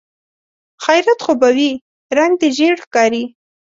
خيرت خو به وي؟ رنګ دې ژېړ ښکاري.